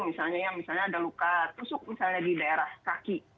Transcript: misalnya ada luka tusuk misalnya di daerah kaki